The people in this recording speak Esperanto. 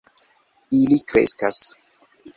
Ili kreskas